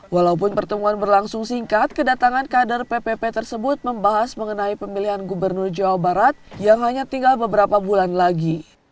walaupun pertemuan berlangsung singkat kedatangan kader ppp tersebut membahas mengenai pemilihan gubernur jawa barat yang hanya tinggal beberapa bulan lagi